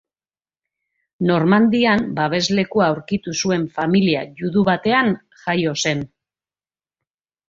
Normandian babeslekua aurkitu zuen familia judu batean jaio zen.